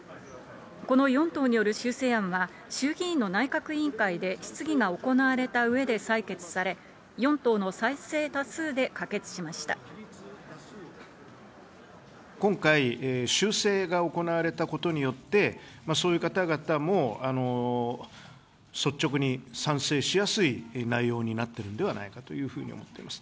この４党による修正案は、衆議院の内閣委員会で質疑が行われたうえで採決され、今回、修正が行われたことによって、そういう方々も率直に賛成しやすい内容になってるんではないかと思っております。